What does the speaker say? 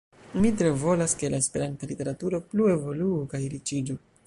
Mi tre volas, ke la Esperanta literaturo plu evoluu kaj riĉiĝu.